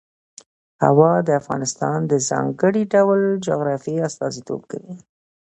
هوا د افغانستان د ځانګړي ډول جغرافیه استازیتوب کوي.